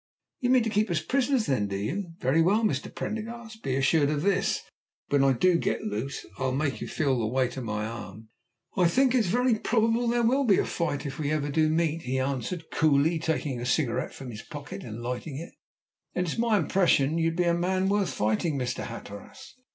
"You mean to keep us prisoners, then, do you? Very well, Mr. Prendergast, be assured of this, when I do get loose I'll make you feel the weight of my arm." "I think it's very probable there will be a fight if ever we do meet," he answered, coolly taking a cigarette from his pocket and lighting it. "And it's my impression you'd be a man worth fighting, Mr. Hatteras."